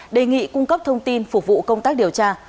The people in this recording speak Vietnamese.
đề nghị cung cấp thông tin phục vụ công tác điều tra